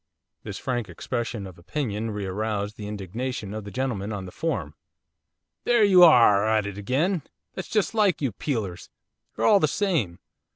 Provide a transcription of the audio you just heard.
This frank expression of opinion re aroused the indignation of the gentleman on the form. 'There you hare! at it again! That's just like you peelers, you're all the same!